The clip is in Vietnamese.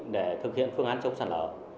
để thực hiện phương án chống sạt lở